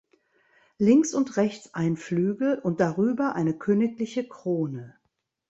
Links und rechts ein Flügel und darüber eine königliche Krone.